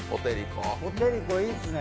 ポテりこいいですね。